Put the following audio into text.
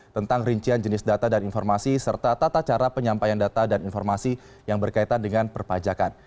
tentang rincian jenis data dan informasi serta tata cara penyampaian data dan informasi yang berkaitan dengan perpajakan